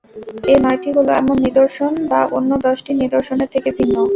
এ নয়টি হল এমন নিদর্শন বা অন্য দশটি নিদর্শনের থেকে ভিন্ন।